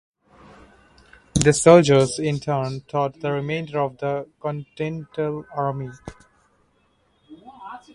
These soldiers, in turn, taught the remainder of the Continental Army.